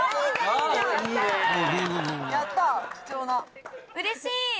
・うれしい！